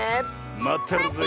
まってるぜえ。